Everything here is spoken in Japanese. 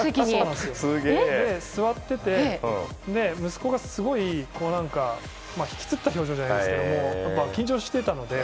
座っていて息子がすごいひきつった表情じゃないですけど緊張していたので。